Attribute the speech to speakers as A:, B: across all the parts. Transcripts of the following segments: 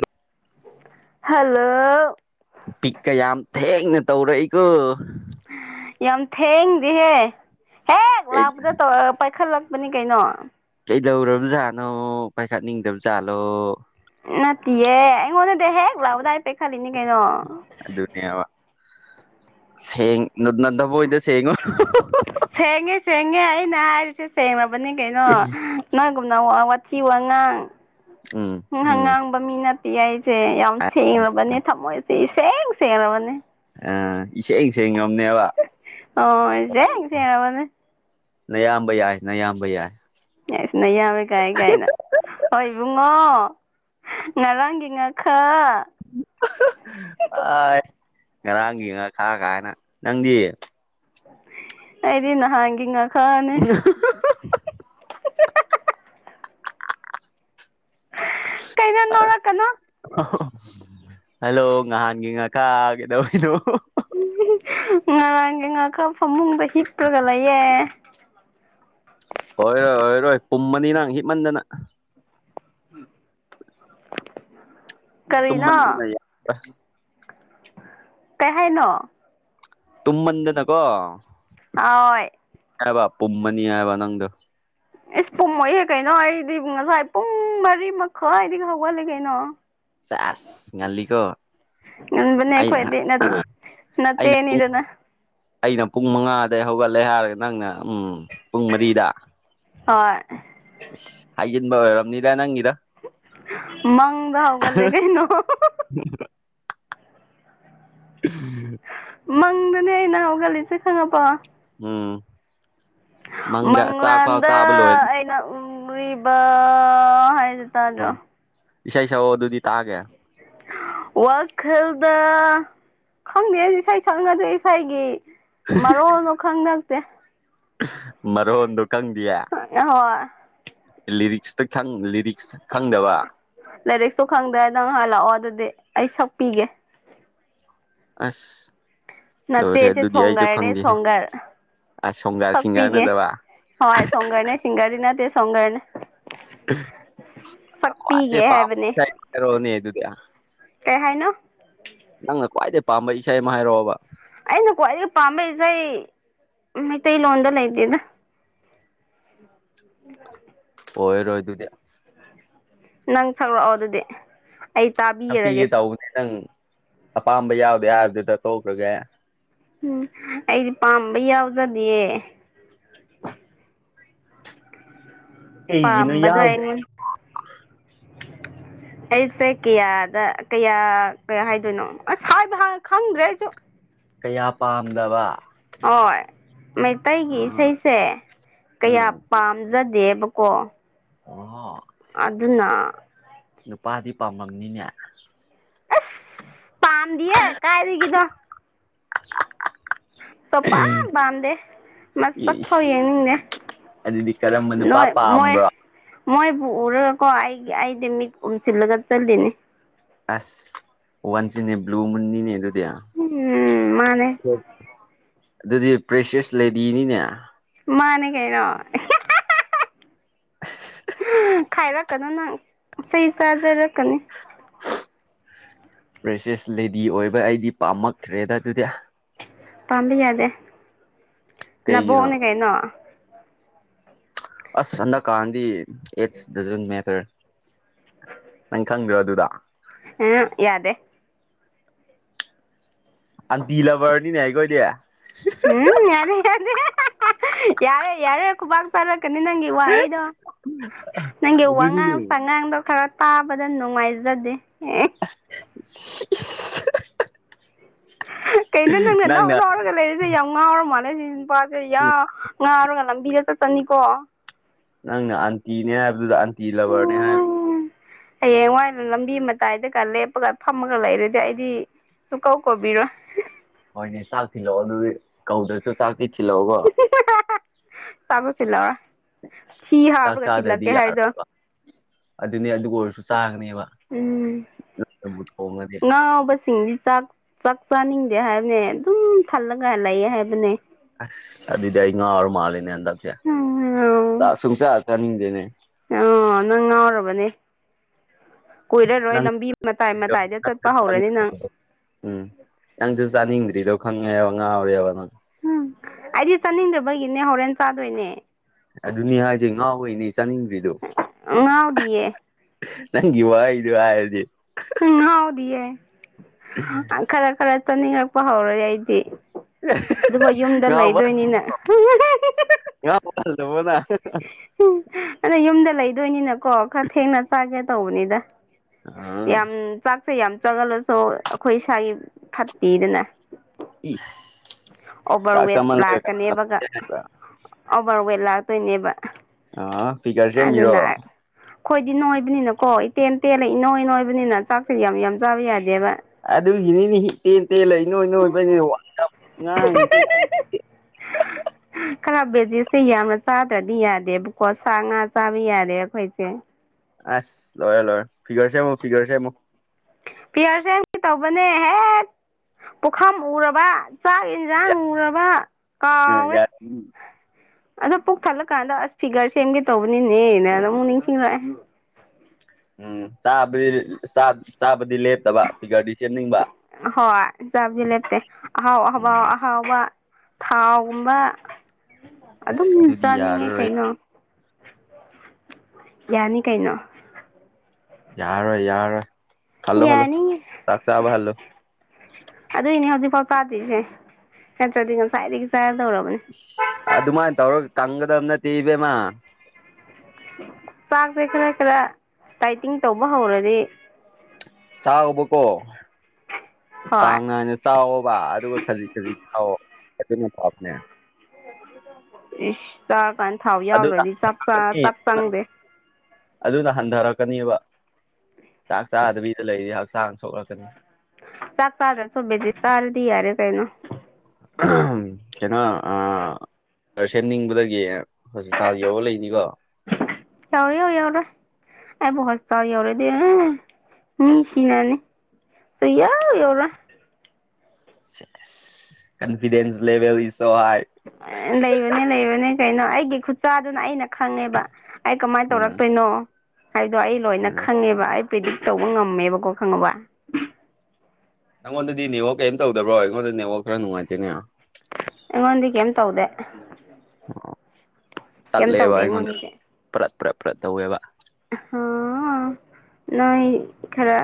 A: ꯑ
B: ꯍꯜꯂꯣ
A: ꯄꯤꯛꯀ ꯌꯥꯝ ꯊꯦꯡꯅ ꯇꯧꯔꯛꯏꯀꯣ
B: ꯌꯥꯝ ꯊꯦꯡꯗꯤꯍꯦ ꯍꯦꯛ ꯂꯥꯛꯄꯗ ꯇꯧ ꯄꯥꯏꯈꯠꯂꯛꯄꯅꯤ ꯀꯩꯅꯣ
A: ꯀꯩꯗꯧꯔꯕ ꯖꯥꯠꯅꯣ ꯄꯥꯏꯈꯠꯅꯤꯡꯗꯕ ꯖꯥꯠꯂꯣ
B: ꯅꯠꯇꯤꯌꯦꯦ ꯑꯩꯉꯣꯟꯗ ꯍꯦꯛꯂꯕꯗꯥꯏ ꯄꯦ ꯈ
A: ꯑꯗꯨ ꯑꯗꯨꯅꯦ ꯌꯥ ꯋꯥ ꯁꯦꯡ ꯅꯅꯗꯕ ꯑꯣꯏꯗ ꯁꯦꯡꯉ
B: ꯁꯦꯡꯉꯦ ꯁꯦꯡꯉꯦ ꯑꯩꯅ ꯍꯥꯏꯔꯤꯁꯦ ꯁꯦꯡꯡꯂꯅꯕꯅꯤ ꯀꯩꯅꯣ ꯅꯪ ꯋꯥꯊꯤ ꯋꯥꯉꯥꯡ
A: ꯎꯝ ꯎꯝ
B: ꯑꯉꯥꯡꯕ ꯃꯤ ꯅꯠꯇꯦ ꯑꯩ ꯁꯦ ꯌꯥꯝ ꯁꯦꯡꯂꯕꯅꯦ ꯊꯝꯃꯣꯏꯁꯦ ꯏꯁꯦꯡ ꯁꯦꯡꯂꯕꯅꯦ
A: ꯑ ꯏꯁꯦꯡ ꯁꯦꯡ ꯉꯝꯅꯦꯕ
B: ꯑꯣ ꯏꯁꯦꯡ ꯁꯦꯡꯔꯕꯅꯦ
A: ꯅꯌꯥꯝꯕ ꯌꯥꯏ ꯅꯌꯥꯝꯕ ꯌꯥꯏ
B: ꯌꯥꯁ ꯅꯌꯝꯕ ꯀꯥꯏ-ꯀꯥꯏꯅ ꯍ [unintelligible] ꯉꯣ ꯉꯔꯥꯡꯒꯤ ꯉꯈꯥ
A: ꯑ ꯉꯔꯥꯡꯒꯤ ꯉꯈꯥ ꯀꯥꯏꯅ ꯅꯪꯗꯤ
B: ꯑꯩꯗꯤ ꯅꯍꯥꯟꯒꯤ ꯉꯈꯥꯅꯦ
A: [inaudible] [inaudible]
B: ꯀꯩꯩꯅꯣ‌ ꯅꯣꯛꯂꯛꯀꯅꯣ
A: ꯍꯜꯂꯣ ꯅꯍꯥꯟꯒꯤ ꯉꯈꯥ ꯀꯩꯗꯧ ꯏꯅꯣ
B: ꯉꯔꯥꯡꯒꯤ ꯉꯈꯥ ꯐꯃꯨꯡꯗ ꯍꯤꯄ꯭ꯔꯒ ꯂꯩꯌꯦ
A: ꯑꯣꯏꯔꯣꯏ ꯑꯣꯏꯔꯣꯏ ꯄꯨꯝꯃꯅꯤ ꯅꯪ ꯍꯤꯞꯃꯟꯗꯅ
B: [inaudible]
A: ꯇꯨꯝꯃꯟꯗꯅ ꯌꯥ [inaudible]
B: ꯀꯩꯍꯥꯏꯅꯣ
A: ꯇꯨꯝꯃꯟꯗꯅꯀꯣ
B: ꯑꯣꯏ
A: ꯍꯥꯏꯕ ꯄꯨꯝꯃꯅꯤ ꯍꯥꯏꯕ ꯅꯪꯗꯣ
B: ꯏꯁ ꯄꯨꯝꯃꯣꯏꯍꯦ ꯀꯩꯅꯣ ꯑꯩꯗꯤ ꯉꯁꯥꯏ ꯄꯨꯡ ꯃꯔꯤ ꯃꯈꯥꯏ ꯗꯒꯤ ꯍꯧꯒꯠꯂꯤ ꯀꯩꯅꯣ
A: ꯆꯥꯁ ꯉꯜꯂꯤꯀꯣ
B: ꯉꯟꯕꯅꯦ
A: ꯑꯩ
B: ꯑꯩꯈꯣꯏꯗꯤ ꯅꯠ
A: ꯑꯩꯅ
B: ꯅꯆꯦꯅꯤꯗꯅ
A: [inaudible] ꯑꯩꯅ ꯄꯨꯡ ꯃꯉꯥꯗꯩ ꯍꯧꯒꯠꯂꯦ ꯍꯥꯏꯔꯒ ꯅꯪꯅ ꯎꯝ ꯄꯨꯡ ꯃꯔꯤꯗ
B: ꯍꯣꯏ
A: ꯏꯁ ꯍꯥꯏꯖꯟꯕ‌ ꯑꯣꯏꯔꯝꯅꯤꯗ ꯅꯪꯒꯤ
B: ꯃꯪꯗ ꯍꯧꯒꯠꯂꯦ ꯀꯩꯅꯣ
A: [inaudible]
B: ꯃꯪꯗꯅꯦ ꯑꯩꯅ ꯍꯧꯒꯠꯂꯤꯁꯦ ꯈꯪꯉꯕꯣ
A: ꯎꯝ ꯃꯪꯗ ꯆꯥꯛ ꯐꯥꯎ
B: ꯃꯪꯂꯥꯟꯗ
A: ꯆꯥꯕ ꯂꯣꯏꯔꯦ
B: ꯑꯩꯅ ꯎ ꯎꯔꯤꯕꯥ ꯍꯥꯏꯗꯤ ꯇꯥꯗꯣ
A: ꯎꯝ ꯏꯁꯩ ꯁꯛꯑꯣ ꯑꯗꯨꯗꯤ ꯇꯥꯒꯦ
B: ꯋꯥꯈꯜꯗ ꯈꯪꯗꯦ ꯏꯁꯩ ꯁꯛꯅꯗꯦ ꯏꯁꯩꯒꯤ ꯃꯔꯣꯜꯗꯣ ꯈꯪ ꯅꯛꯇꯦ
A: ꯃꯔꯣꯟꯗꯣ ꯈꯪꯗꯤꯌꯦ
B: ꯍꯣꯏ
A: ꯂꯤꯔꯤ꯭ꯛꯁꯇ ꯈꯪ- ꯂꯤꯔꯤꯛ
B: ꯂꯤꯔꯤꯛꯁꯨ ꯈꯪꯗꯦ ꯅꯪ ꯍꯜꯂꯛꯑꯣ ꯑꯗꯨꯗꯤ ꯑꯩ ꯁꯛꯄꯤꯒꯦ
A: ꯑꯁ ꯂꯣꯏꯔꯦ
B: ꯅꯥꯆꯦꯁꯦ
A: ꯑꯗꯨꯗꯤ ꯑꯩꯁꯨ
B: ꯁꯣꯡꯒꯥꯔꯅꯦ
A: ꯈꯪꯗꯦꯍꯦ
B: ꯁꯣꯡꯒꯥꯔ
A: ꯑꯁ ꯁꯣꯡꯒꯥꯔ ꯁꯤꯡꯒꯔ
B: ꯁꯛꯄꯤꯒꯦ
A: ꯅꯠꯇꯕ
B: ꯍꯣꯏ ꯁꯣꯡꯒꯔꯅꯦ ꯁꯤꯡꯒꯥꯔꯗꯤ ꯅꯠꯇꯦ ꯁꯣꯡꯒꯔꯅꯦ
A: [inaudible]
B: ꯁꯛꯄꯤꯒꯦ ꯍꯥꯏꯕꯅꯦ
A: ꯅꯪ [inaudible] ꯑꯗꯨ ꯗꯤ
B: ꯀꯩ ꯍꯥꯏꯅꯣ
A: ꯅꯪꯅ ꯈ꯭ꯋꯥꯏꯗꯒꯤ ꯄꯥꯝꯕ ꯏꯁꯩ ꯑꯃ ꯍꯥꯏꯔꯛꯑꯣꯕ
B: ꯑꯩꯅ ꯈ꯭ꯋꯥꯏꯗꯒꯤ ꯄꯥꯝꯕ ꯏꯁꯩ ꯃꯩꯇꯩꯂꯣꯟꯗ ꯂꯩꯇꯦꯗ [inaudible]
A: ꯑꯣꯏꯔꯣꯏ ꯑꯗꯨꯗꯤ
B: ꯅꯪ ꯁꯛꯔꯛꯑꯣ ꯑꯗꯨꯗꯤ ꯑꯩ ꯇꯥꯕꯤꯔꯒꯦ
A: ꯁꯛꯄꯤꯒꯦ ꯇꯧꯕꯅꯦ ꯅꯪ ꯑꯄꯥꯝꯕ ꯌꯥꯎꯗꯦ ꯍꯥꯏꯕꯗꯨꯗ ꯇꯣꯛꯈ꯭ꯔꯒꯦ
B: ꯎꯝ ꯑꯩꯗꯤ ꯄꯥꯝꯕ ꯌꯥꯎꯖꯥꯗꯤꯌꯦ
A: ꯀꯩꯒꯤꯅꯣ
B: ꯄꯝꯕꯥ‌ ꯗꯨ
A: ꯌꯥꯎꯗ꯭ꯔꯤ
B: [unintelligible] ꯑꯩꯁꯦ ꯀꯌꯥꯗ ꯀꯌꯥ ꯀꯌꯥ ꯍꯥꯏꯗꯣꯏꯅꯣ ꯑꯁ [unintelligible] ꯈꯪꯗ꯭ꯔꯦ ꯑꯩꯁꯨ
A: ꯀꯌꯥ ꯄꯥꯝꯗꯕ
B: ꯍꯣꯏ ꯃꯩꯇꯩꯒꯤ
A: ꯑꯥ
B: ꯏꯁꯩꯁꯦ ꯀꯌꯥ
A: ꯎꯝ
B: ꯄꯥꯝꯖꯗꯦ ꯗꯦꯕꯀꯣ
A: ꯑꯣ
B: ꯑꯗꯨꯅ
A: ꯅꯨꯄꯥꯗꯤ ꯄꯥꯝꯃꯝꯅꯤꯅꯦ
B: ꯝꯗꯤ ꯀꯥꯏ ꯀꯗ ꯆꯣꯄꯥ ꯄꯝꯗꯦ ꯃꯁꯛ ꯐꯥꯎ
A: ꯏꯁ
B: ꯌꯦꯡꯅꯤꯡꯅꯦꯦ
A: ꯑꯗꯨꯗꯤ ꯀꯔꯝꯕ ꯅꯨꯄꯥ ꯄꯥꯝꯕ꯭ꯔꯣ
B: ꯃꯣꯏꯕꯨ ꯎꯔꯒꯀꯣ ꯑꯩꯒꯤ ꯑꯩꯗꯤ ꯃꯤꯠ ꯎꯝꯁꯤꯜꯂꯒ ꯆꯠꯂꯤꯅꯦ
A: ꯑꯁ ꯋꯥꯟꯁꯤꯅꯦ ꯕ꯭ꯂꯨ ꯃꯨꯟꯅꯤꯅꯦ ꯑꯗꯨ
B: ꯎꯝ ꯃꯥꯅꯦ
A: ꯑꯗꯨꯗꯤ ꯄ꯭ꯔꯦꯁꯦꯁ ꯂꯦꯗꯤꯅꯤꯅꯦ
B: ꯃꯥꯅꯦ ꯀꯩꯅꯣ ꯈꯥꯏꯔꯛꯀꯅꯣ ꯅꯪ ꯐꯩ ꯆꯥꯖꯔꯛꯀꯅꯤ
A: ꯄ꯭ꯔꯦꯁꯦꯁ ꯂꯩꯦꯗꯤ ꯑꯣꯏꯕ ꯑꯩꯗꯤ ꯄꯥꯝꯂꯈ꯭ꯔꯦꯗ ꯑꯗꯨꯗꯤ
B: ꯄꯥꯝꯕꯤ ꯌꯥꯗꯦ
A: ꯀꯩꯒꯤꯅꯣ
B: ꯅꯕꯣꯛꯅꯦ ꯀꯩꯅꯣ
A: ꯑꯁ ꯍꯟꯗꯛꯀꯥꯥꯟꯗꯤ ꯗ ꯃꯦꯇꯔ ꯅꯪ ꯈꯪꯗ꯭ꯔꯣ ꯑꯗꯨꯗ
B: ꯑꯝ ꯌꯥꯗꯦ
A: ꯑꯟꯇꯤ ꯂꯕꯔꯅꯤꯅꯦ ꯍꯥꯏꯈꯣꯏꯗꯤ
B: ꯎꯝ ꯌꯥ ꯌꯥ ꯌꯥꯔꯦ ꯌꯥꯔꯦ ꯀꯨꯕꯥꯥꯛ ꯇꯥꯔꯂ ꯀꯅꯤ ꯅꯪ ꯏ ꯋꯥꯩꯗꯣ ꯅꯪꯒꯤ
A: ꯑꯗꯨꯅꯤꯅꯦ
B: ꯋꯥꯉꯥꯡ ꯆꯉꯥꯡꯗꯣ ꯈꯔ ꯇꯥꯕꯗ ꯅꯨꯡꯉꯥꯏꯖꯗꯦ ꯑꯦ
A: [unintelligible]
B: ꯀꯩꯅꯣ ꯅꯪꯅ ꯅꯥꯎ ꯂꯥꯎꯔꯒ ꯂꯩꯔꯤꯁꯦ ꯌꯥꯝ ꯉꯥꯎꯔ ꯃꯥꯜꯂꯦ ꯁꯤꯟ ꯄꯥ ꯌꯥ ꯉꯥꯔꯒ ꯂꯝꯕꯤꯗ ꯆꯠꯆꯅꯤꯀꯣ
A: ꯅꯪꯅ ꯑꯟꯇꯤꯅꯦ ꯍꯥꯏꯕꯗꯨꯗ ꯑꯟꯇꯤ ꯂꯕꯔꯅꯦ ꯍꯥꯏꯕ
B: ꯍꯌꯦꯡꯋꯥꯏꯅ ꯂꯝꯕꯤ ꯃꯇꯥꯏꯗꯒ ꯂꯦꯞꯄꯒ ꯐꯝꯃꯒ ꯂꯩꯔꯗꯤ ꯑꯩꯗꯤ ꯁꯨ ꯀꯧ ꯀꯣꯕꯤꯔꯣ
A: ꯍꯣꯏꯅꯦ ꯆꯥꯛ ꯊꯤꯜꯂꯛꯑꯣ ꯑꯗꯨꯗꯤ ꯀꯧꯗ꯭ꯔꯁꯨ ꯆꯥꯛꯇꯤ ꯊꯤꯜꯂꯛꯑꯣꯕꯣ
B: ꯆꯥꯛꯁꯨ ꯊꯤꯜꯂꯛꯑꯔꯣꯏ ꯊꯤ
A: ꯆꯥꯛ
B: ꯍꯥꯞꯄꯒ
A: ꯆꯥꯗ꯭ꯔꯗꯤ
B: ꯊꯤꯜꯂꯛꯀꯦ ꯍꯥꯏꯗꯣ
A: ꯌꯥꯔꯣꯏ ꯑꯗꯨꯅꯤ ꯑꯗꯨ ꯑꯣꯏꯔꯁꯨ
B: ꯎꯝ
A: ꯆꯥꯒꯅꯦꯕꯕꯨ ꯊꯣꯡꯉꯅꯤ
B: ꯉꯥꯎꯕꯁꯤꯡꯗꯤ ꯆꯥꯛ ꯆꯥꯛ ꯆꯥꯅꯤꯡꯗꯦ ꯍꯥꯏꯕꯅꯦ ꯑꯗꯨꯝ ꯊꯜꯂꯒ ꯂꯩꯌꯦ ꯍꯥꯏꯕꯅꯦ
A: ꯑꯁ ꯑꯗꯨ ꯑꯗꯨꯗꯤ ꯑꯩ ꯉꯥꯔ ꯃꯥꯂꯦꯅꯦ ꯌꯥꯝꯟꯗꯁꯤꯌꯥ ꯑ ꯁꯨꯡ ꯆ ꯆꯥꯅꯤꯡꯗꯦꯅꯦ
B: ꯑꯣ ꯅꯪ ꯉꯥꯎꯔꯕꯅꯦ ꯀꯣꯏꯔꯔꯣꯏ
A: ꯅꯪ
B: ꯂꯝꯕꯤ ꯃꯇꯥꯏ ꯃꯇꯥꯏꯗ ꯆꯠꯄ ꯍꯧꯔꯅꯤ ꯅꯪ
A: ꯎꯝ ꯅꯪꯁꯨ ꯆꯥꯅꯤꯡꯗ꯭ꯔꯤꯗꯣ ꯈꯪꯉꯦꯕ ꯉꯥꯎꯋꯦꯕꯅꯪ
B: ꯎꯝ ꯑꯩꯗꯤ ꯆꯥꯅꯤꯡꯗꯕꯒꯤꯅꯦ ꯍꯣꯔꯦꯟ ꯆꯥꯗꯣꯏꯅꯦ
A: ꯑꯗꯨꯗꯨꯅꯌꯥ ꯍꯥꯏ ꯉ ꯑꯣꯏꯣꯏꯅꯤ
B: ꯉꯥꯎꯥꯎꯗꯤꯌꯦ
A: ꯅꯪꯒꯤ ꯋꯥꯏꯗꯨ ꯍꯥꯏꯔꯗꯤ
B: ꯎꯝ ꯍꯥꯎꯗꯤꯌꯦꯦ ꯈꯔ ꯈꯔ ꯆꯠꯅꯤꯡꯂꯛꯄ ꯍꯧꯔꯦ ꯑꯩꯗꯤ ꯑꯗꯨꯒꯕꯨ ꯌꯨꯝꯗ
A: ꯉꯥꯎꯕ
B: ꯂꯩꯗꯣꯏꯅꯤꯅ
A: ꯧꯕꯗ
B: ꯑꯗꯨꯣꯏꯅꯤꯅꯀꯣ ꯈꯔ ꯊꯦꯡꯅ ꯆꯥꯒꯦ ꯇꯧꯕꯅꯤꯗ
A: ꯑ
B: ꯌꯥꯝ ꯆ ꯁꯦ ꯌꯥꯝ ꯆꯪꯍꯜꯂꯁꯨ ꯑꯩꯈꯣꯏ ꯏꯁꯥꯒꯤ ꯐꯠꯇꯦꯗꯅ
A: ꯏꯁ
B: ꯑꯣꯚꯔ
A: ꯆꯥꯛ
B: ꯋꯦꯠ
A: ꯆꯥꯃꯜꯂꯒ
B: ꯂꯥꯛꯀꯅꯦꯕꯒ ꯑꯣꯚꯔꯋꯦꯠ ꯂꯥꯛꯇꯣꯏꯅꯦꯕ
A: ꯑ
B: ꯑꯗꯨꯅ
A: ꯐꯤꯒꯔꯁꯦꯃꯤꯔꯣꯑꯣ
B: ꯑꯩꯈꯣꯏꯗꯤ ꯅꯣꯏꯕꯅꯤꯅꯀꯣ ꯏꯇꯦꯟ ꯇꯦꯜꯂ ꯏ ꯅꯣꯏ ꯅꯣꯏꯕꯅꯤꯅ ꯆꯥꯛꯁꯦꯗꯤ ꯌꯥꯝ ꯌꯥꯝ ꯆꯥꯕ ꯌꯥꯗꯦ
A: ꯑꯗꯨꯒꯤꯅꯤꯅꯦ ꯍꯤ ꯇꯦꯟ ꯇꯦꯟ ꯂꯩ ꯅꯣꯏ ꯅꯣꯏꯕꯅꯤ ꯉꯥꯡ
B: ꯎꯝ ꯈꯔ ꯕꯦꯖꯤꯠꯁꯦ ꯌꯥꯝꯅ ꯆꯥꯗ꯭ꯔꯗꯤ ꯌꯥꯗꯦꯕꯀꯣ ꯁꯥ ꯉꯥ ꯆꯥꯕ ꯌꯥꯗꯦ ꯑꯩꯈꯣꯏꯁꯦ
A: ꯑꯁ ꯂꯣꯔꯦ ꯂꯣꯔꯦ ꯐꯤꯒꯔ ꯁꯦꯝꯃꯣ ꯐꯤꯒꯔ ꯁꯦꯝꯃꯣ
B: ꯐꯤꯒꯔꯁꯦꯝꯀꯦ ꯇꯧꯕꯅꯦ ꯍꯦꯛ ꯄꯨꯈꯝ ꯎꯔꯕ ꯆꯥꯛ ꯌꯦꯟꯁꯥꯡ ꯂꯨꯔꯕ
A: ꯎꯝ
B: ꯀꯥꯎꯋꯦ
A: ꯌꯥꯔꯦ
B: ꯑꯗꯣ ꯄꯣꯛ ꯊꯥꯂꯛꯀꯥꯟꯗ ꯑꯁ ꯐꯤꯒꯔ ꯁꯦꯝꯒꯦ ꯇꯧꯕꯅꯤꯅꯦꯅ ꯑꯃꯨꯛ ꯅꯤꯡꯁꯤꯡꯂꯛꯑꯦ
A: ꯎꯝ ꯆꯥꯕꯗꯤ ꯂꯦꯞꯇꯕ ꯐꯤꯒꯔꯗꯤ ꯁꯦꯝꯅꯤꯡꯕ
B: ꯍꯣꯏ ꯆꯕꯗꯤ ꯂꯦꯞꯇꯦ ꯑꯍꯥꯎ
A: ꯎꯝ
B: ꯑꯍꯥꯎꯕ ꯊꯥꯎꯒꯨꯝꯕ ꯑꯗꯨꯝ
A: ꯑꯁ ꯑꯗꯨꯗꯤ
B: ꯆꯥꯅꯤꯡꯉꯦ
A: ꯌꯥꯔꯔꯣꯏ
B: ꯀꯩꯅꯣ ꯌꯥꯅꯤ ꯀꯩꯅꯣ
A: ꯌꯥꯔꯣꯏ ꯌꯥꯔꯣꯏ
B: ꯌꯥꯅꯤ
A: ꯍꯜꯂꯣ
B: ꯑꯗꯨꯏꯅꯦ ꯍꯧꯖꯤꯛꯐꯥꯎ ꯆꯗꯔꯤꯅꯦ ꯅꯥꯠꯔꯗꯤ ꯉꯥꯁꯥꯏꯗꯩꯩ ꯆꯔꯥꯅꯤ
A: ꯑꯗꯨꯃꯥꯏꯅ ꯇꯧꯔꯒ ꯀꯪꯒꯗꯕ ꯅꯠꯇꯦ ꯏꯕꯦꯝꯃ
B: ꯆꯥꯛꯁꯦ ꯈꯔ ꯈꯔ ꯇꯥꯏꯇꯤꯡ ꯇꯧꯕ ꯍꯧꯔꯗꯤ
A: ꯆꯕ ꯀꯣ
B: ꯍꯣꯏ
A: ꯆꯥꯡ ꯅꯥꯏꯅ ꯆꯥꯎꯋꯕ ꯑꯗꯨꯒ ꯈꯖꯤꯛ ꯈꯖꯤꯛ ꯆꯥꯎ ꯑꯗꯨꯅ ꯄꯕꯅꯦ
B: ꯏꯁ ꯀꯥꯟ ꯊꯥꯎ
A: ꯑꯗꯨꯅ
B: ꯌꯥꯎꯗ꯭ꯔꯗꯤ
A: ꯍꯟꯊꯔꯛꯀꯅꯤ
B: ꯇꯥꯛ ꯆꯪꯗꯦ
A: ꯑꯗꯨꯅ ꯍꯟꯊꯔꯛꯀꯅꯦꯕ ꯆꯥꯛ ꯆꯥꯗꯕꯤꯗ ꯂꯩꯔꯤ ꯍꯛꯆꯥꯡ ꯁꯣꯛꯂꯛꯀꯅꯤ
B: ꯆꯥꯛꯀꯥꯗ ꯁꯨꯕꯦꯗꯤ ꯇꯥꯔꯗꯤ ꯌꯥꯔꯦ ꯀꯩꯅꯣ
A: ꯀꯩꯅꯣ ꯑ ꯁꯦꯝꯅꯤꯡꯕꯗꯒꯤ ꯍꯧꯖꯤꯛꯇꯥꯥ ꯌꯧꯔ ꯂꯩꯅꯤꯀꯣ
B: ꯆꯧꯔꯤ ꯑꯣꯏꯏ ꯑꯣꯅ ꯑꯕꯣ ꯍꯁꯇꯥꯔ ꯌꯥꯧꯎꯔꯗꯤ ꯃꯤꯁꯤꯅꯅꯤ ꯁꯌꯥꯣ year [inaudible]
A: confidence level so high
B: ꯂꯩꯕꯅꯦ ꯂꯩꯕꯅꯦ ꯀꯩꯅꯣ ꯑꯩꯒꯤ ꯈꯨꯠꯆꯥꯗꯨꯅ ꯑꯩꯅ ꯈꯪꯉꯦꯕ ꯑꯩ ꯀꯃꯥꯏꯅ
A: ꯎꯝ
B: ꯇꯧꯔꯛꯇꯣꯏꯅꯣ ꯍꯥꯏꯗꯣ ꯑꯩ ꯂꯣꯏꯅ
A: ꯎꯝ
B: ꯈꯪꯉꯦꯕ ꯑꯩ ꯄ꯭ꯔꯤꯗꯤꯛ ꯇꯧꯕ ꯉꯝꯃꯦꯕꯀꯣ ꯈꯪꯉꯕ
A: ꯅꯪꯉꯣꯟꯗꯗꯤ ꯅꯦꯠꯋꯥꯛ ꯀꯔꯤꯝ ꯇꯧꯗꯕ꯭ꯔꯣ ꯑꯩꯉꯣꯟꯗ ꯅꯦꯠꯋꯥꯛ ꯈꯔ ꯅꯨꯡꯉꯥꯏꯇꯦꯅꯦ
B: ꯑꯩꯉꯣꯟꯗꯤ ꯀꯩꯝ ꯇꯧꯗꯦ ꯀꯩꯝ
A: ꯇꯠꯂꯦꯕ
B: ꯇꯧꯗꯦ
A: ꯑꯩꯉꯣꯟꯗ
B: ꯑꯩꯉꯣꯟꯗꯗꯤ
A: ꯄ꯭ꯔꯠ ꯄ꯭ꯔꯠ ꯄ꯭ꯔꯠ ꯇꯧꯋꯦꯕ
B: ꯑ ꯅꯣꯏ ꯈꯔ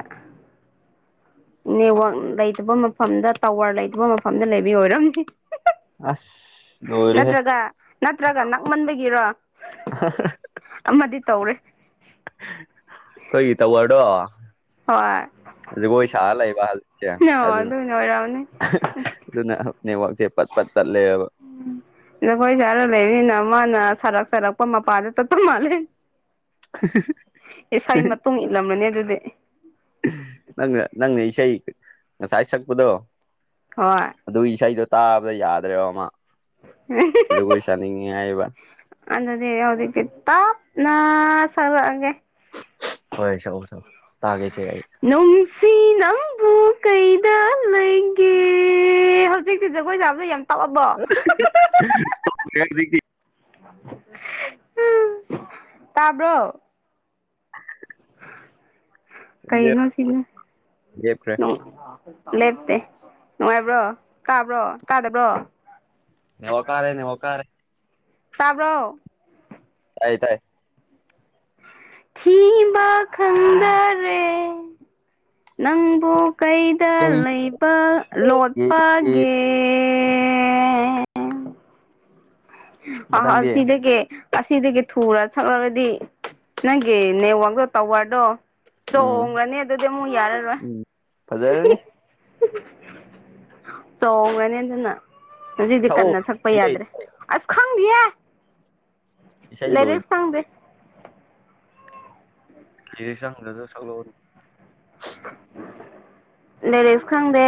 B: ꯅꯦꯠꯋꯛ ꯂꯩꯇꯕ ꯃꯐꯝꯗ ꯇꯋꯔ ꯂꯩꯇꯕ ꯃꯐꯝꯗ ꯂꯩꯕ ꯑꯣꯏꯔꯝꯅꯦ
A: ꯑꯁ ꯂꯣꯏꯔꯦꯍꯦ
B: ꯅꯠꯇ꯭ꯔꯒ ꯅꯠꯇ꯭ꯔꯒ ꯅꯛꯃꯟꯕꯒꯤꯔꯣ ꯑꯃꯗꯤ
A: [unintelligible]
B: ꯇꯧꯔꯦ
A: ꯑꯩꯈꯣꯢ ꯇꯥꯋꯔꯗꯣ
B: ꯍꯣꯏ
A: ꯖꯒꯣꯏ ꯁꯥ ꯂꯩꯕꯥ ꯍꯧꯖꯤꯛꯁꯦ
B: ꯑꯣ
A: ꯑꯗꯨꯅ
B: ꯑꯣꯏꯔꯝꯅꯤ
A: ꯑꯗꯨꯅ ꯅꯦꯠꯋꯥꯛ ꯁꯦ ꯄꯥꯠ ꯄꯥꯠ
B: ꯖꯒꯣꯏ ꯁꯔꯒꯥ ꯂꯩꯔꯦꯅ ꯃꯅ ꯁꯔꯛ ꯁꯔꯛꯄ ꯃꯄꯥꯗ ꯇꯥꯠꯕ ꯃꯥꯜꯂꯦ ꯏꯁꯥꯩ ꯃꯇꯨꯡ ꯏꯠꯂꯝꯂꯅꯤ ꯑꯗꯨꯗꯤ
A: ꯅꯪꯅ ꯅꯪꯅ ꯏꯁꯩ ꯉꯁꯥꯏ ꯁꯛꯄꯗꯣ
B: ꯍꯣꯏ
A: ꯑꯗꯨꯒꯤ ꯏꯁꯩꯗꯣ ꯇꯥꯕꯗ ꯌꯥꯗ꯭ꯔꯦꯕ ꯃꯥ ꯖꯒꯣꯏ ꯁꯅꯤꯡꯌꯦ ꯍꯥꯢꯕꯥ
B: ꯑꯗꯗꯤ ꯌꯥꯎꯗꯦ ꯇꯥꯞꯅ ꯁꯥꯛꯂꯥꯛꯑꯀꯦ
A: ꯍꯣꯏ ꯁꯛꯑꯣ ꯁꯛꯑꯣ ꯇꯥꯒꯦꯁꯦ ꯑꯩ
B: ꯅꯨꯡꯁꯤ ꯅꯪꯕꯨ ꯀꯩꯗ ꯂꯩꯒꯦ ꯍꯧꯖꯤꯛꯇꯤ ꯖꯒꯣꯏ ꯁꯕꯗꯣ ꯌꯥꯝ ꯇꯞꯑꯕꯣ
A: ꯀꯁꯤ [inaudible]
B: ꯇꯥꯕ꯭ꯔꯣ
A: [unintelligible]
B: ꯀꯩꯩꯅꯣ ꯁꯤꯅ
A: ꯂꯦꯞꯈ꯭ꯔꯦ
B: ꯂꯦꯞꯇꯦ ꯅꯨꯡꯉꯥꯏꯕ꯭ꯔꯣꯇꯥꯕ꯭ꯔꯣ ꯇꯥꯗꯕ꯭ꯔꯣ
A: ꯅꯤꯜꯋꯥ ꯀꯥꯔꯦ ꯅꯤꯜꯋ ꯀꯥꯔꯦ
B: ꯇꯥꯕ꯭ꯔꯣ
A: ꯇꯥꯏ ꯇꯥꯏ
B: ꯊꯕ ꯈꯪꯗꯔꯦ ꯅꯪꯕꯨꯣ ꯀꯩꯗ
A: ꯀꯩ
B: ꯂꯩꯕ ꯂꯣꯠꯄꯒꯦ ꯑ
A: ꯃꯊꯪꯗꯤ
B: ꯁꯤꯗ ꯀꯦ ꯑꯁꯤꯗꯒꯤ ꯊꯨꯔ ꯁꯛꯂꯨꯔꯗꯤ ꯅꯪꯒꯤ ꯅꯦꯠꯋꯥꯛꯗꯣ ꯇꯋꯥꯔꯗꯣ ꯆꯣꯡꯡꯂ꯭ꯔꯅꯤ ꯑꯗꯨꯗꯤ ꯑꯃꯨꯛ ꯌꯥꯔꯔꯣꯏ
A: ꯐꯖꯅꯤ
B: [inaudible] ꯆꯣꯡꯉꯅꯤ ꯑꯗꯨꯅ ꯍꯧꯖꯤꯛꯇꯤ
A: ꯁꯛꯑꯣ
B: ꯀꯟꯅ ꯁꯛꯄ ꯌꯥꯗ꯭ꯔꯦ ꯑꯁ ꯈꯪꯗꯦ
A: ꯏꯁꯩ ꯂꯣꯏ
B: ꯂꯩꯔꯤꯛ ꯐꯪꯗꯦ
A: ꯂꯤꯔꯤꯛ ꯈꯪꯗꯔ꯭ꯁꯨ ꯁꯛꯂꯛꯑꯣꯅꯣ [unintelligible]
B: ꯂꯥꯏꯔꯤꯛꯁ ꯈꯪꯗꯦ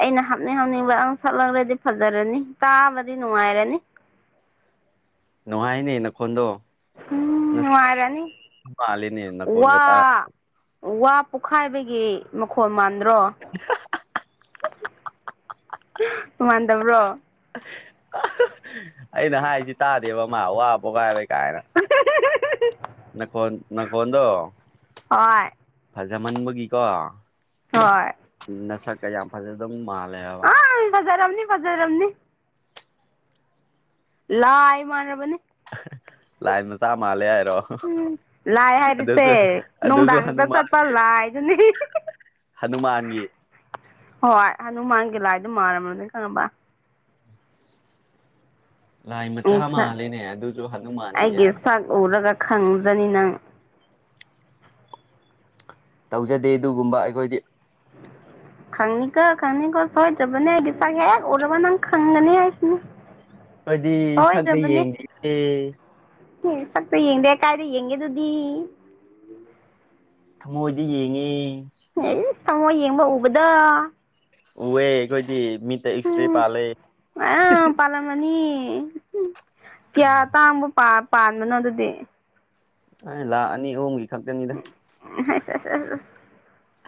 B: ꯑꯩꯅ ꯍꯥꯞꯅꯤꯡ ꯍꯥꯞꯅꯤꯡꯕ ꯑꯪ ꯁꯛꯂ꯭ꯔꯗꯤ ꯐꯖꯔꯅꯤ ꯇꯥꯕꯗ ꯅꯨꯡꯉꯥꯏꯔꯅꯤ
A: ꯅꯨꯡꯉꯥꯏꯅꯦ ꯅꯈꯣꯟꯗꯣ
B: ꯎꯝ
A: ꯅꯁꯤ
B: ꯅꯨꯡꯉꯥꯏꯔꯅꯤ
A: ꯑꯂꯤꯅꯤꯅ
B: ꯋꯥ
A: ꯐꯣꯟꯣꯟ [inaudible]
B: ꯋꯥ ꯄꯣꯛꯈꯥꯏꯕꯒꯤ ꯃꯈꯣꯟ ꯃꯥꯟ
A: [unintelligible]
B: ꯃ ꯃꯥꯟꯗꯕ꯭ꯔꯣ
A: ꯑꯩꯅ ꯍꯥꯏꯁꯤ ꯇꯥꯗꯦꯕ ꯃꯥ ꯑꯕꯕꯥꯥꯏ ꯂꯩ ꯀꯥꯏꯅ ꯅꯥꯈꯣꯟ ꯅꯥꯈꯣꯟꯗꯣ
B: ꯍꯣꯏ
A: ꯐꯖꯃꯟꯕꯒꯤꯀꯣ
B: ꯍꯣꯏ
A: ꯅꯁ ꯀ ꯌꯥ ꯐꯦ ꯑꯗꯨ ꯃꯥꯔ
B: ꯑ ꯐꯖꯔꯥꯎꯝꯅꯤ ꯐꯖꯥꯔꯝꯅꯤ ꯂꯑ ꯃꯥꯥꯟꯅ꯭ꯔꯕꯅꯤ
A: [unintelligible] ꯂꯥꯏꯟ ꯃꯆꯥ ꯃꯥꯜꯂꯦ ꯍꯥꯏꯔꯣ
B: ꯂꯥꯏ ꯍꯥꯏꯔꯤꯁꯦ
A: ꯑꯗꯨꯁꯨ ꯑꯗꯨꯁꯨ ꯑꯗꯨ ꯃꯥꯜꯒꯦ
B: ꯀꯥꯏꯗꯨ
A: ꯍꯅꯨꯃꯥꯟꯒꯤ
B: ꯍꯣꯏ ꯍꯅꯨꯃꯥꯟꯒꯤ ꯂꯥꯏꯗꯨ ꯃꯥꯟꯔꯂꯅꯤ ꯈꯪꯉꯕ꯭ꯔ
A: ꯂꯥꯏ
B: ꯑꯩ
A: ꯃꯆꯥ
B: ꯁꯛ
A: ꯃꯜꯂꯤꯅꯦ ꯑꯗꯨꯁꯨ ꯍꯅꯨꯃꯥꯟꯒꯤ
B: ꯑꯩꯒꯤ
A: ꯌꯥꯗ
B: ꯁꯛ ꯎꯔꯒ ꯈꯪꯖꯅꯤ ꯅꯪ
A: ꯇꯧꯖꯗꯦ ꯑꯗꯨꯒꯨꯝꯕ ꯑꯩꯈꯣꯏꯗꯤ
B: ꯈꯪꯅꯤꯒꯣ ꯈꯪꯅꯤꯒꯣ ꯍꯣꯏꯖꯕꯅꯦ ꯍꯥꯏꯗꯤꯁꯒꯦ ꯑꯣꯏꯔꯔꯕꯪ ꯈꯪꯒꯅ ꯍꯥꯏꯁꯤꯅ
A: ꯑꯩꯗꯤ ꯁꯛꯇ ꯌꯦꯡꯒꯦꯗꯤ
B: ꯁꯛꯇꯄꯣ ꯌꯦꯡꯗꯦ ꯀꯥꯏꯗꯣ ꯌꯦꯡꯒꯦ ꯑꯗꯨꯗꯤ
A: ꯊꯃꯣꯏꯗꯤ ꯌꯦꯡꯉꯦ
B: ꯑꯦ ꯁꯪꯉꯣ ꯌꯦꯡꯕ ꯎꯕꯗ
A: ꯎꯋꯦ ꯑꯩꯈꯣꯏꯗꯤ ꯃꯤꯠ ꯏꯁꯇ꯭ꯔꯦ
B: ꯎꯝ
A: ꯄꯂꯦ
B: ꯎ ꯀꯌꯥ ꯇꯥꯡꯕ ꯄꯥꯟꯕꯅꯣ ꯑꯗꯨꯗꯤ
A: ꯑꯩ ꯂꯥꯛ ꯑꯅꯤ ꯑꯍꯨꯝꯒꯤ ꯈꯛꯇꯅꯤꯗ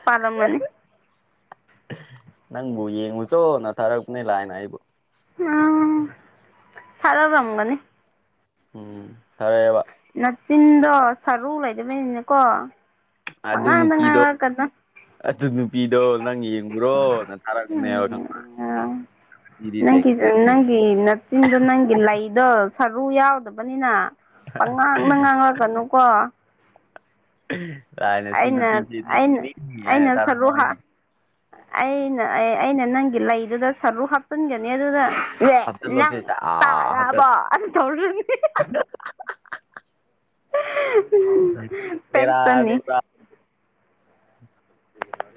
B: ꯄꯜꯪ ꯃꯅꯤ
A: ꯅꯪꯕꯨ ꯌꯦꯡꯉꯨꯆꯣ ꯅꯊꯥꯔꯛꯄꯅꯦ ꯂꯥꯛꯑꯅ ꯑꯩꯕꯨ
B: ꯎꯝ ꯐꯔ ꯔꯪꯒꯅꯤ
A: ꯎꯝ ꯐꯔꯦꯕ
B: ꯀꯥꯆꯤꯟꯗꯣ ꯁꯔꯨ ꯂꯩꯗꯕꯅꯤꯅꯀꯣ
A: ꯑꯗꯨ
B: ꯃꯉꯥꯡꯗ
A: ꯅꯨꯄꯤꯗꯣ
B: ꯉꯥꯡꯂꯛꯀꯗ
A: ꯑꯗꯨ ꯅꯨꯄꯤꯗꯣ ꯅꯪ ꯌꯦꯡꯉꯨꯔꯣꯅ ꯊꯥꯔꯛꯄꯅꯦꯕ ꯈ
B: ꯅꯪ ꯅꯪꯒꯤ ꯅꯠꯇꯤꯟ ꯅꯪ ꯂꯥꯏ ꯑꯗꯣ ꯁꯔꯨ ꯌꯥꯎꯗꯕꯅꯤꯅ ꯄꯪꯉꯥꯡꯗ ꯉꯥꯡꯂꯒꯅꯨꯀꯣ
A: ꯂꯥꯏꯅ ꯁꯤ
B: ꯑꯩꯅ
A: ꯅꯨꯄꯤꯁꯤ
B: ꯑꯩ
A: ꯅꯪꯒꯤꯅꯤ ꯍꯥꯏꯅ
B: ꯑꯩꯅ ꯁꯔꯨ
A: ꯇꯥꯔꯛꯄꯅꯦ
B: ꯍꯥꯞ ꯑꯩꯅ ꯑꯩꯅ ꯅꯪꯒꯤ ꯂꯩꯗꯨꯗ ꯁꯔꯨ ꯍꯥꯞꯆꯤꯟꯒꯅꯤ ꯑꯗꯨꯅ ꯋꯦ
A: ꯍꯥꯞꯆꯜꯂꯣꯁꯦ
B: ꯅꯪ
A: ꯁꯠ ꯍꯥꯞꯆꯜꯂꯣ
B: ꯇꯥꯔꯕꯔꫭ ꯑꯗꯨ ꯇꯧꯔꯅꯤ
A: ꯁꯦꯔꯥꯟ
B: ꯄꯦꯛꯆꯅꯤ
A: ꯇꯨꯔꯥꯟ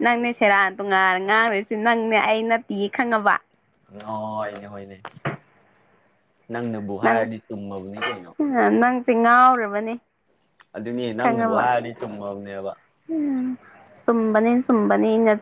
B: ꯅꯪꯅꯦ ꯁꯦꯔꯥꯟ ꯇꯨꯉꯥꯟ ꯉꯥꯡꯔꯤꯁꯤ ꯅꯪꯅꯦ ꯑꯩ ꯅꯠꯇꯤꯌꯦ ꯈꯪꯉꯕ
A: ꯍꯣꯏꯅꯦ ꯍꯣꯏꯅꯦ ꯅꯪꯅꯕꯨ ꯍꯥꯏꯔꯗꯤ ꯆꯨꯝꯃꯕꯅꯤ ꯀꯩꯅꯣ
B: ꯁꯤ ꯉꯥꯎꯔꯕꯅꯦ
A: ꯑꯗꯨꯅꯦ ꯅꯪꯅꯕꯨ ꯍꯥꯏꯔꯗꯤ ꯆꯨꯝꯃꯕꯅꯦꯕ
B: ꯎꯝ ꯆꯨꯝꯕꯅꯤ ꯆꯨꯝꯕꯅꯤ ꯅꯦꯠ